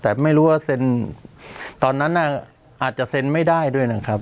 แต่ไม่รู้ว่าเซ็นตอนนั้นอาจจะเซ็นไม่ได้ด้วยนะครับ